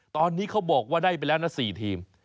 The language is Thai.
ตอนนี้เขาบอกว่าได้ไปแล้วนะ๔ทีม